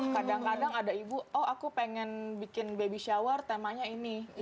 kadang kadang ada ibu oh aku pengen bikin baby shower temanya ini